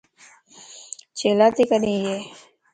ڇيلاتي ڪري ايي؟